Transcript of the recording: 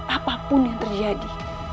apapun yang terjadi